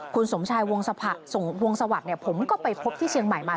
คุณสมชายวงสวัสดิ์ผมก็ไปพบที่เชียงใหม่มา